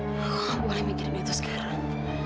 aku gak boleh mikirin itu sekarang